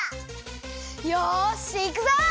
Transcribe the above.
よしいくぞ！